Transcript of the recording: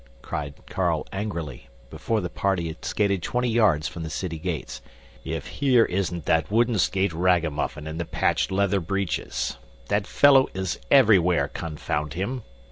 cried Carl angrily, before the party had skated twenty yards from the city gates, "if here isn't that wooden skate ragamuffin in the patched leather breeches. That fellow is everywhere, confound him!